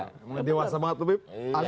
kedewasa banget tuh bib